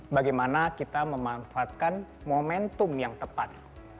bagaimana kita memanfaatkan momentum yang tepat